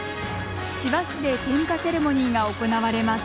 千葉市で点火セレモニーが行われます。